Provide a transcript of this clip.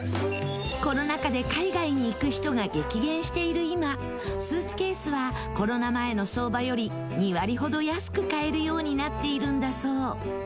コロナ禍で海外に行く人が激減している今スーツケースはコロナ前の相場より２割ほど安く買えるようになっているんだそう。